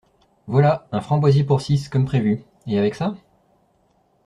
Voilà, un framboisier pour six, comme prévu. Et avec ça?